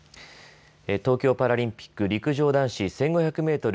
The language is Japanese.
東京パラリンピック陸上男子１５００メートル